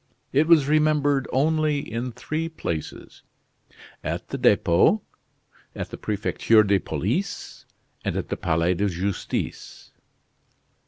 It was remembered only in three places, at the Depot, at the Prefecture de Police, and at the Palais de Justice.